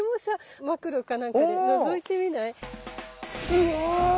うわ！